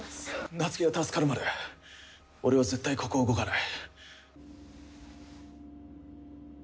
夏希が助かるまで俺は絶対ここを動かない。